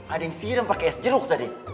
ada yang sirem pakai es jeruk tadi